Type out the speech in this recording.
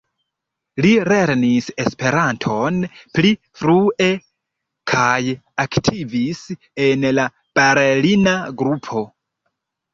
Li lernis Esperanton pli frue kaj aktivis en la berlina grupo.